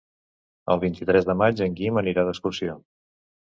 El vint-i-tres de maig en Guim anirà d'excursió.